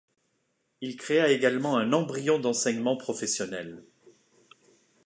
Il créa également un embryon d'enseignement professionnel.